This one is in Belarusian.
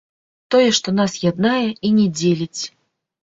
Тое, што нас яднае і не дзеліць.